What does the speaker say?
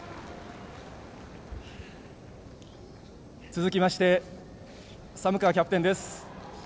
続きまして寒川キャプテンです。